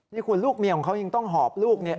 นี่คุณลูกเมียของเขายังต้องหอบลูกเนี่ย